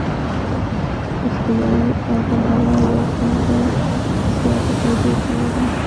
استوایي آب هوا یو شانته زیاته تودوخه لري.